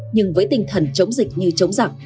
nhưng với tinh thần chống dịch như chống dịch